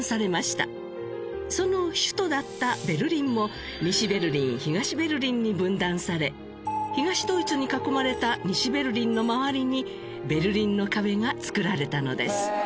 その首都だったベルリンを西ベルリン東ベルリンに分断され東ドイツに囲まれた西ベルリンの周りにベルリンの壁が造られたのです。